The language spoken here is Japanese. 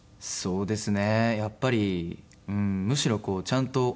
そうですね。